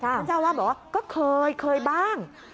ท่านเจ้าวาดบอกว่าก็เคยเคยบ้าง